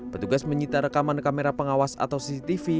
petugas menyita rekaman kamera pengawas atau cctv